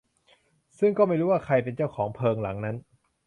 ซึ่งก็ไม่รู้ว่าใครเป็นเจ้าของเพิงหลังนั้น